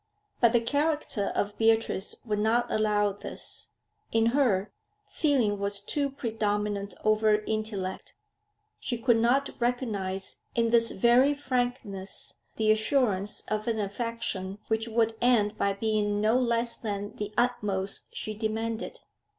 But the character of Beatrice would not allow this; in her, feeling was too predominant over intellect; she could not recognise in this very frankness the assurance of an affection which would end by being no less than the utmost she demanded.